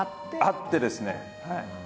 あってですね。